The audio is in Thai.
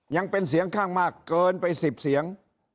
ยังเป็นเสียงข้างมากเกินไป๑๐เสียง